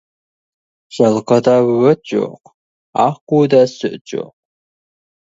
Жылқыда өт жоқ, аққуда сүт жоқ.